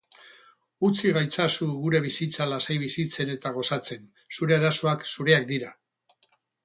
Utzi gaitzazu gure bizitza lasai bizitzen eta gozatzen, zure arazoak zureak dira!